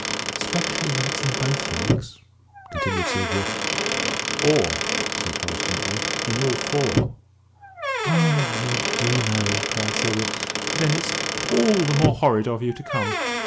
"Especially when it's in both legs," continued Sylvia. "Or," said Horace gently, "in all four." "Ah, you do know!" cried Sylvia. "Then it's all the more horrid of you to come!"